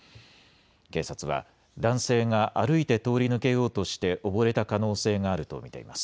警察は男性が歩いて通り抜けようとして溺れた可能性があると見ています。